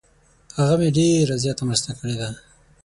هغه مې ډیر زیاته مرسته کړې ده.